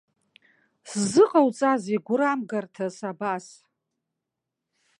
Сзыҟауҵазеи гәрамгарҭас абас?